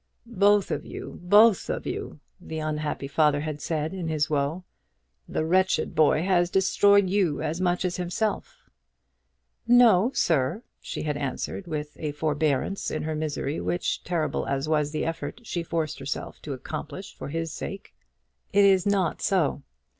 "Both of you! Both of you!" the unhappy father had said in his woe. "The wretched boy has destroyed you as much as himself!" "No, sir," she had answered, with a forbearance in her misery, which, terrible as was the effort, she forced herself to accomplish for his sake. "It is not so.